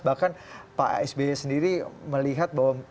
bahkan pak sby sendiri melihat bahwa